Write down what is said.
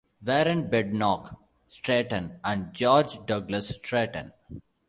Warren Badenock Straton, and George Douglas Straton.